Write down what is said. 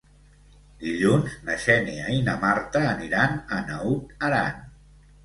Dilluns na Xènia i na Marta aniran a Naut Aran.